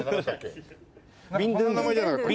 そんな名前じゃなかったっけ？